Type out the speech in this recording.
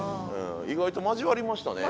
意外と交わりましたね。